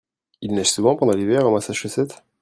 Il neige souvent pendant l'hiver au Masschussets ?